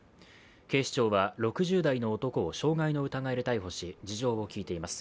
警視庁は６０代の男を傷害の疑いで逮捕し、事情を聞いています。